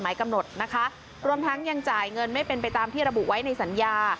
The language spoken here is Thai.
กำหนดนะคะรวมทั้งยังจ่ายเงินไม่เป็นไปตามที่ระบุไว้ในสัญญา